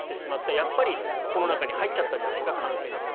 やっぱりこの中に感染者が入っちゃったんじゃないかと。